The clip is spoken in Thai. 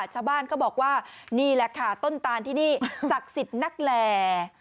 ชาวบ้านก็บอกว่านี่แหละค่ะต้นตานที่นี่ศักดิ์สิทธิ์นักแหล่